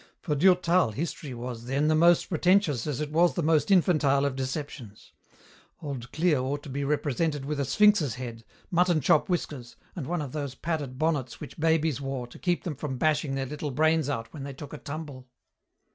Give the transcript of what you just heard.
For Durtal history was, then, the most pretentious as it was the most infantile of deceptions. Old Clio ought to be represented with a sphinx's head, mutton chop whiskers, and one of those padded bonnets which babies wore to keep them from bashing their little brains out when they took a tumble.